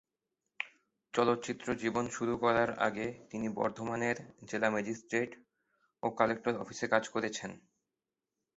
চলচ্চিত্র জীবন শুরু করার আগে, তিনি বর্ধমানের জেলা ম্যাজিস্ট্রেট ও কালেক্টর অফিসে কাজ করেছেন।